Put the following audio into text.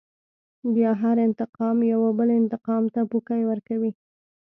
بيا هر انتقام يوه بل انتقام ته پوکی ورکوي.